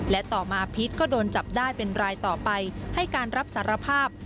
และต่อมาพีชก็โดนจับได้เป็นรายต่อไปให้การรับสารภาพ